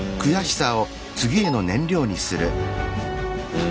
うん。